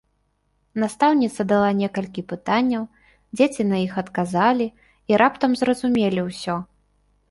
Настаўніца дала некалькі пытанняў, дзеці на іх адказалі і раптам зразумелі ўсё.